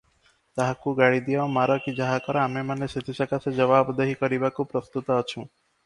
ତାହାକୁ ଗାଳିଦିଅ, ମାର କି ଯାହା କର, ଆମେମାନେ ସେଥି ସକାଶେ ଜବାବଦେହୀ କରିବାକୁ ପ୍ରସ୍ତୁତ ଅଛୁଁ ।